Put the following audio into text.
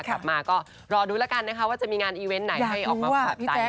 กลับมาก็รอดูละกันว่าจะมีงานอีเวนต์ไหนให้ออกมาเผาใจนะค่ะ